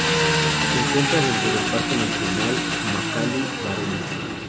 Se encuentra dentro del parque nacional Makalu-Barun.